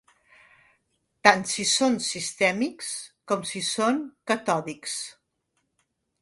Tant si són sistèmics com si són catòdics.